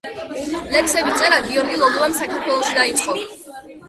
ლექსების წერა გიორგი ლოლუამ საქართველოში დაიწყო.